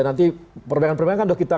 nanti perbaikan perbaikan kan sudah kita